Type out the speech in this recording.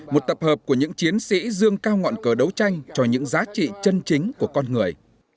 một tập hợp của những chiến sĩ dương cao ngọn cờ đấu tranh cho những giá trị chân chính của con người